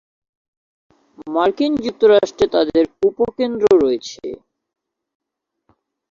মার্কিন যুক্তরাষ্ট্রে তাদের উপকেন্দ্র রয়েছে।